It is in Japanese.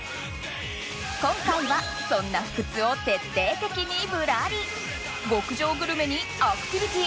今回はそんな福津を徹底的にぶらり極上グルメにアクティビティー